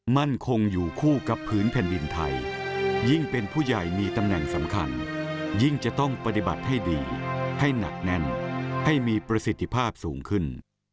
มั่นคงอยู่คู่กับพื้นแผ่นดินไทยยิ่งเป็นผู้ใหญ่มีตำแหน่งสำคัญยิ่งจะต้องปฏิบัติให้ดีให้หนักแน่นให้มีประสิทธิภาพสูงขึ้น